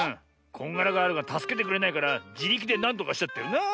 こんがらガールがたすけてくれないからじりきでなんとかしちゃったよなあ。